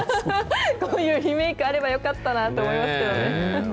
こういうリメイクあればよかったなって思いますけどね。